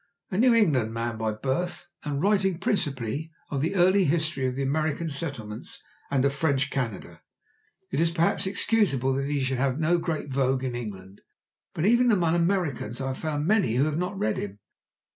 A New England man by birth, and writing principally of the early history of the American Settlements and of French Canada, it is perhaps excusable that he should have no great vogue in England, but even among Americans I have found many who have not read him.